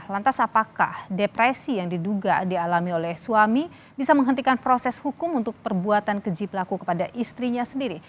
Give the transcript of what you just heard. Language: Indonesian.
lantas apakah depresi yang diduga dialami oleh suami bisa menghentikan proses hukum untuk perbuatan keji pelaku kepada istrinya sendiri